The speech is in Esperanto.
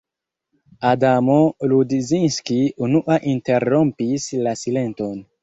Adamo Rudzinski unua interrompis la silenton.